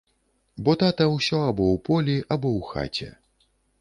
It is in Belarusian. Бо тата ўсё або ў полі, або ў хаце.